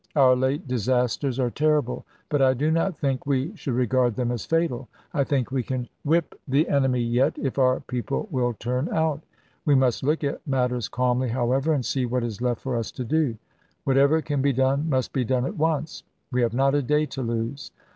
Our late disasters are terrible, but I do not think we should regard them as fatal. I think we can whip the 262 ABRAHAM LINCOLN ch. xiii. enemy yet, if our people will turn out. We must look at matters calmly, however, and see what is left for us to do. April, 1865. Whatever can be done must be done at once. We have not a day to lose."